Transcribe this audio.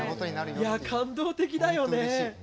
いや感動的だよね。